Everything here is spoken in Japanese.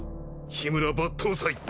緋村抜刀斎。